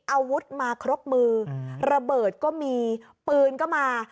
อาวุธมาครบมือระเบิดก็มีปืนก็มา